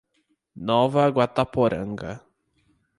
Nova Guataporanga